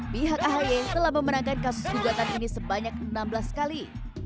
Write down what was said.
pihak ahy telah memenangkan kasus gugatan ini sebanyak enam belas kali